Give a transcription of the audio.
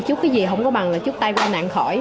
chút cái gì không có bằng là chút tay va nạn khỏi